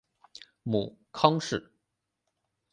母康氏。